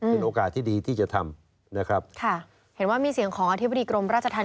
เป็นโอกาสที่ดีที่จะทำนะครับค่ะเห็นว่ามีเสียงของอธิบดีกรมราชธรรม